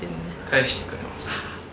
返してくれます。